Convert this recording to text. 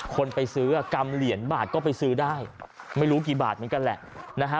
คนไปซื้อกรรมเหรียญบาทก็ไปซื้อได้ไม่รู้กี่บาทเหมือนกันแหละนะฮะ